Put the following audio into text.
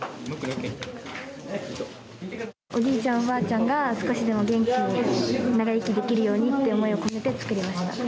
おじいちゃん、おばあちゃんが少しでも元気に長生きできるようにと思いを込めてつくりました。